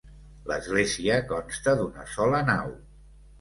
L'església consta d'una sola nau.